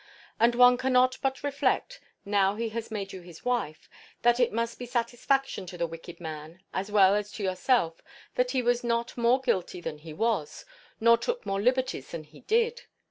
And one cannot but reflect, now he has made you his wife, that it must be satisfaction to the wicked man, as well as to yourself, that he was not more guilty than he was, nor took more liberties than he did.